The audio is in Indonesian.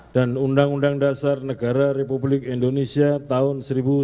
dan undang undang dasar negara republik indonesia tahun seribu sembilan ratus empat puluh lima